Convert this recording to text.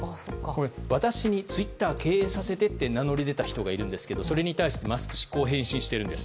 私にツイッター経営させてって名乗り出た人がいますがそれに対して、マスク氏はこう返信しているんです。